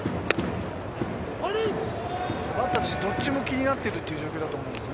バッターとしてどっちも気になっているという状況だと思うんです。